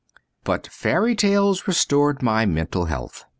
But fairy tales restored my mental health.